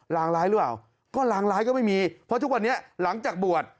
รางร้ายหรือเปล่าก็รางร้ายก็ไม่มีเพราะทุกวันนี้หลังจากบวช